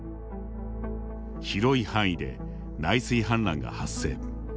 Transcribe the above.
広い範囲で内水氾濫が発生。